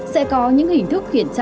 sẽ có những hình thức khiển trách